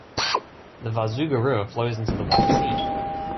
The Varzuga River flows into the White Sea.